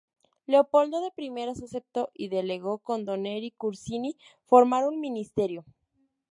Leopoldo de primeras aceptó, y delegó en Don Neri Corsini formar un ministerio.